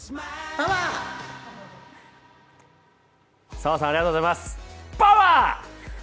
澤さん、ありがとうございます、パワー！